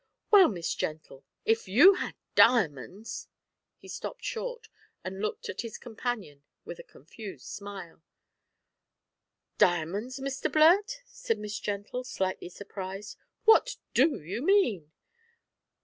Well, Miss Gentle, if you had diamonds " He stopped short, and looked at his companion with a confused smile. "Diamonds, Mr Blurt," said Miss Gentle, slightly surprised; "what do you mean?"